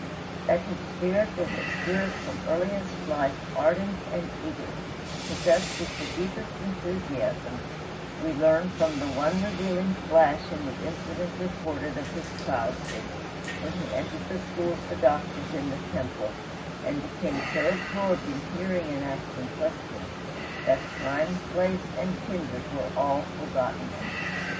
That his was a spirit from earliest life ardent and eager, possessed with the deepest enthusiasm, we learn from the one revealing flash in the incident recorded of his childhood, when he entered the school of the doctors in the temple and became so absorbed in hearing and asking questions that time, place, and kindred were all forgotten.